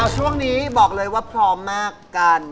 ช่วงนี้บอกเลยว่าพร้อมมากกัน